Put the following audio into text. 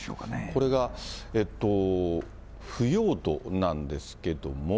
これが、腐葉土なんですけども。